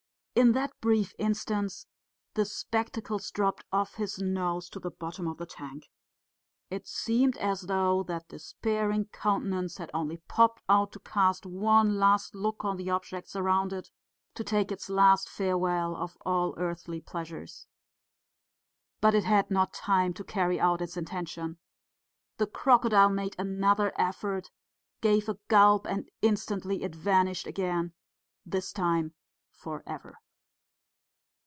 In that brief instant the spectacles dropped off his nose to the bottom of the tank. It seemed as though that despairing countenance had only popped out to cast one last look on the objects around it, to take its last farewell of all earthly pleasures. But it had not time to carry out its intention; the crocodile made another effort, gave a gulp and instantly it vanished again this time for ever.